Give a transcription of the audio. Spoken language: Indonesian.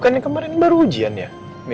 ujiannya kemarin baru ujian ya